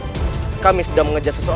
orang kami semua sedang mencari seseorang